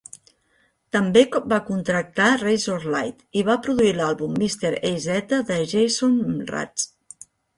També va contractar Razorlight i va produir l'àlbum "Mr. A-Z" de Jason Mraz.